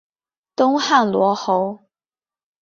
东汉罗侯。